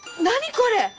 これ！